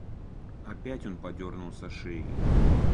Опять он подернулся шеей.